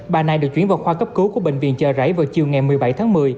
bà này được chuyển vào khoa cấp cứu của bệnh viện chợ rẫy vào chiều ngày một mươi bảy tháng một mươi